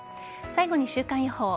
最後に週間予報。